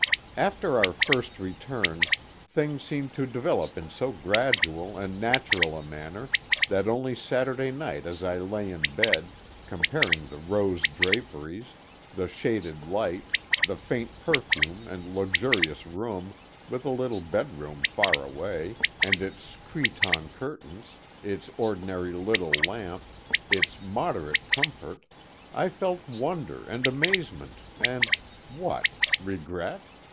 After our first return, things seemed to develop in so gradual and natural a manner, that only Saturday night as I lay in bed, comparing the rose draperies, the shaded light, the faint perfume and luxurious room, with a little bedroom far away, and its cretonne curtains, its ordinary little lamp, its moderate comfort, I felt wonder and amazement, and what? Regret?